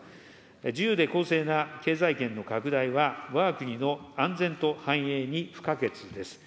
自由で公正な経済圏の拡大は、わが国の安全と繁栄に不可欠です。